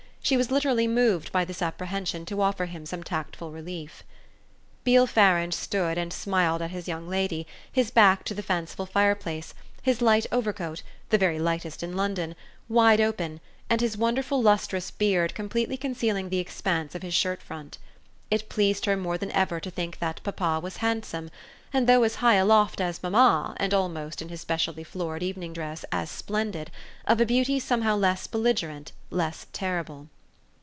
She was literally moved by this apprehension to offer him some tactful relief. Beale Farange stood and smiled at his young lady, his back to the fanciful fireplace, his light overcoat the very lightest in London wide open, and his wonderful lustrous beard completely concealing the expanse of his shirt front. It pleased her more than ever to think that papa was handsome and, though as high aloft as mamma and almost, in his specially florid evening dress, as splendid, of a beauty somehow less belligerent, less terrible.